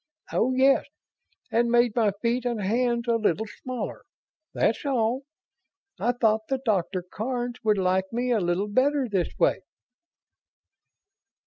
Oh, yes, and made my feet and hands a little smaller. That's all. I thought the Doctor Karns would like me a little better this way."